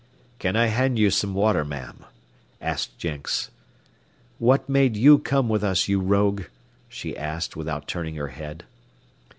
"Can I hand you some water, ma'm?" asked Jenks. "What made you come with us, you rogue?" she asked, without turning her head.